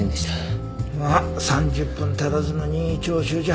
まあ３０分足らずの任意聴取じゃ